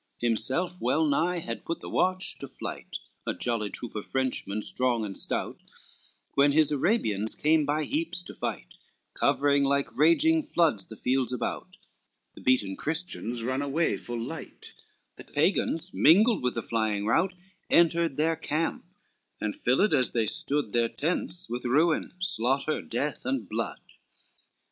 XXIV Himself well nigh had put the watch to flight, A jolly troop of Frenchmen strong and stout, When his Arabians came by heaps to fight, Covering, like raging floods, the fields about; The beaten Christians run away full light, The Pagans, mingled with the flying rout, Entered their camp, and filled, as they stood, Their tents with ruin, slaughter, death and blood.